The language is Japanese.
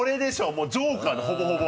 もうジョーカーだほぼほぼ。